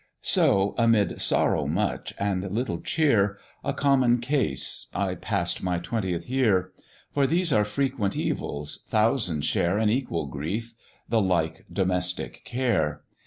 "So, amid sorrow much and little cheer A common case I pass'd my twentieth year; For these are frequent evils; thousands share An equal grief the like domestic care.